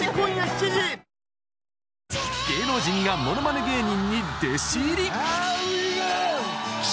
芸能人がものまね芸人に弟子入り。